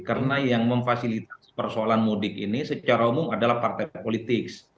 karena yang memfasilitas persoalan mudik ini secara umum adalah partai politik